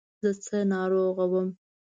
زه څه ناروغه وم.